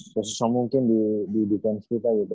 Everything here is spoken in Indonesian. sesusah mungkin di defense kita gitu